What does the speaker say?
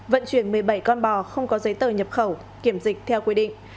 vận chuyển một mươi bảy con bò không có giấy tờ nhập khẩu kiểm dịch theo quy định